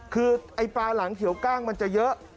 คือไอ้ปลาหลังเขียวกล้างมันจะเยอะ